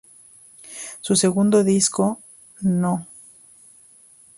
Su segundo disco, "No.